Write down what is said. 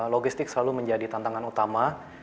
logistik selalu menjadi tantangan utama